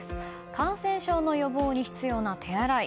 感染症の予防に必要な手洗い。